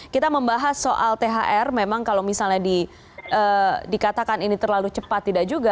kita membahas soal thr memang kalau misalnya dikatakan ini terlalu cepat tidak juga